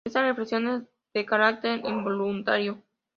Esta flexión es de carácter involuntario.